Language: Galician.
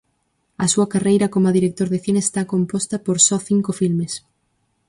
A súa carreira coma director de cine está composta por só cinco filmes.